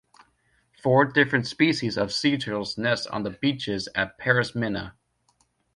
Four different species of sea turtles nest on the beaches at Parismina.